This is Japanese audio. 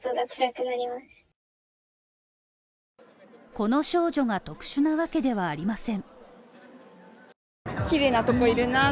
この少女が特殊なわけではありません。